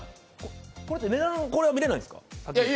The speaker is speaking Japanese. これって値段、見れないんですか？